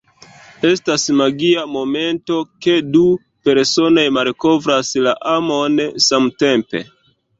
Estas magia momento ke du personoj malkovras la amon samtempe.